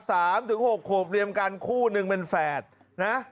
สามถึงหกขวบเรียมกันคู่หนึ่งเป็นแฝดนะ